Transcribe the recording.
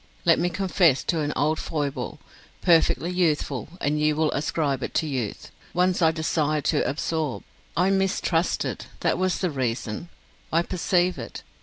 Let me confess to an old foible perfectly youthful, and you will ascribe it to youth: once I desired to absorb. I mistrusted; that was the reason: I perceive it.